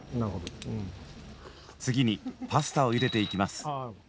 次にパスタをゆでていきます。